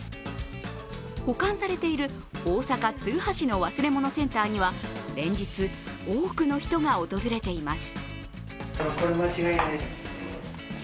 保管されている大阪鶴橋の忘れ物センターには連日、多くの人が訪れています。